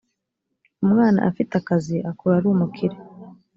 umwana afite akazi akura arumukire.